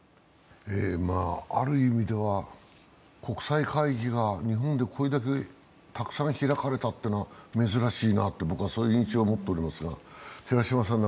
ある意味では国際会議が日本でこれだけたくさん開かれたのは珍しいなと、僕はそういう印象を持っておりますが。